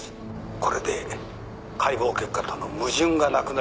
これで解剖結果との矛盾がなくなりました。